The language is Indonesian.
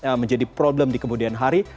yang menjadi problem di kemudian hari